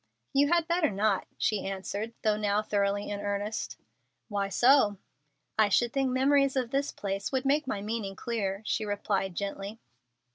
"You had better not," she answered, now thoroughly in earnest. "Why so?" "I should think memories of this place would make my meaning clear," she replied, gently.